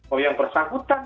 oh yang bersangkutan